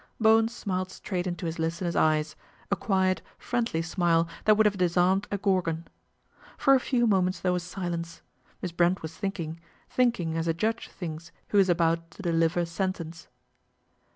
Bowen smile : LADY TANAGRA TAKES A HAND 129 kraight into his listener's eyes, a quiet, friendly pile that would have disarmed a gorgon. For a few moments there was silence. Miss Lrent was thinking, thinking as a judge thinks rho is about to deliver sentence.